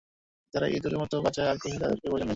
যারা ইঁদুরের মতো বাঁচায় আগ্রহী, তাদেরকে প্রয়োজন নেই।